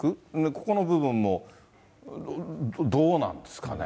ここの部分もどうなんですかね。